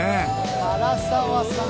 唐沢さん